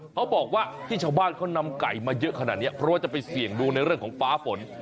เขาบอกว่าที่ชาวบ้านเขานำไก่มาเยอะขนาดนี้เพราะว่าจะไปเสี่ยงดูในเรื่องของฟ้าฝน